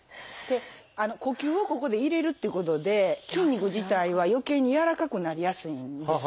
呼吸をここで入れるっていうことで筋肉自体はよけいに柔らかくなりやすいんです。